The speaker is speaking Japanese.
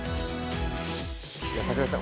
櫻井さん